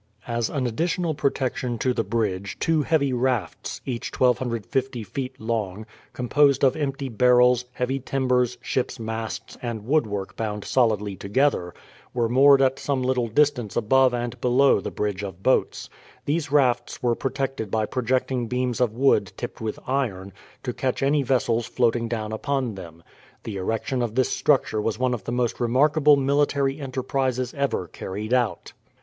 As an additional protection to the bridge, two heavy rafts, each 1250 feet long, composed of empty barrels, heavy timbers, ships' masts, and woodwork bound solidly together, were moored at some little distance above and below the bridge of boats. These rafts were protected by projecting beams of wood tipped with iron, to catch any vessels floating down upon them. The erection of this structure was one of the most remarkable military enterprises ever carried out.